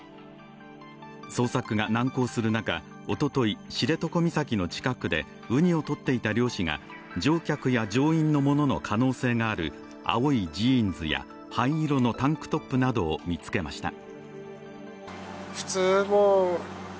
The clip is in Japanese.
捜索が難航する中、おととい、知床岬の近くでうにをとっていた漁師が乗客や乗員のものの可能性のある青いジーンズや灰色のタンクトップなどを見つけました。